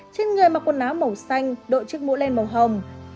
trên người mặc quần áo màu xanh đội chiếc mũ len màu hồng